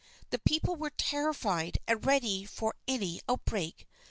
The people were terrified and ready for any outbreak.